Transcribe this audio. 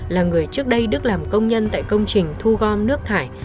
là người trước đây đức làm công nhân tại công trình thu gom nước thải